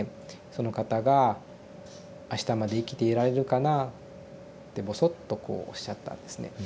その方が「あしたまで生きていられるかな」ってぼそっとこうおっしゃったんですね。